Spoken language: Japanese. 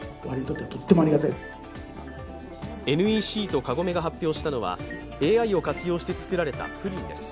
ＮＥＣとカゴメが発表したのは、ＡＩを活用して作られたプリンです。